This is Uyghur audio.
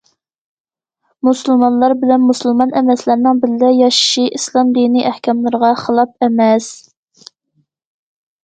مۇسۇلمانلار بىلەن مۇسۇلمان ئەمەسلەرنىڭ بىللە ياشىشى ئىسلام دىنى ئەھكاملىرىغا خىلاپ ئەمەس.